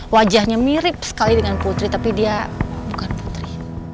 wajahnya mirip sekali dengan putri tapi dia bukan putri